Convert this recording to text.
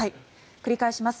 繰り返します。